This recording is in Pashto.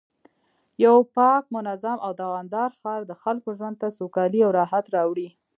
یو پاک، منظم او دوامدار ښار د خلکو ژوند ته سوکالي او راحت راوړي